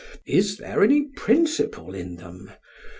Is there any principle in them?